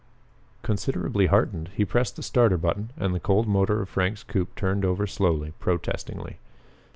Considerably heartened, he pressed the starter button and the cold motor of Frank's coupe turned over slowly, protestingly.